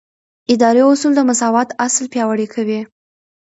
اداري اصول د مساوات اصل پیاوړی کوي.